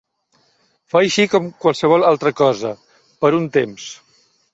Fa així com qualsevol altra cosa, per un temps.